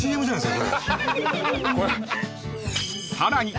［さらに］